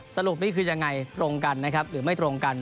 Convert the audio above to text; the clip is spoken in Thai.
สรุปนี่คือยังไงตรงกันนะครับหรือไม่ตรงกัน